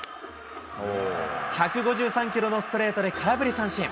１５３キロのストレートで空振り三振。